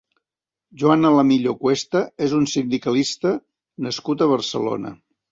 Juan Alamillo Cuesta és un sindicalista nascut a Barcelona.